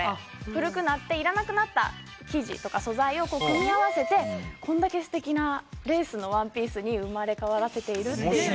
古くなって要らなくなった生地とか素材を組み合わせてこれだけすてきなレースのワンピースに生まれ変わらせているっていう。